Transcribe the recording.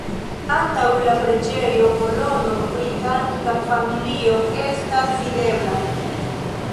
Antaŭ la preĝejo kolono pri Sankta Familio estas videbla.